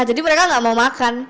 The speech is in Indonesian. jadi mereka gak mau makan